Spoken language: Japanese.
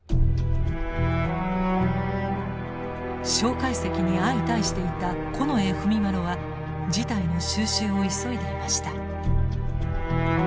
介石に相対していた近衛文麿は事態の収拾を急いでいました。